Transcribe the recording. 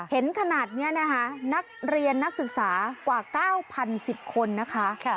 เห็นขนาดนี้นะคะนักเรียนนักศึกษากว่า๙๐๑๐คนนะคะ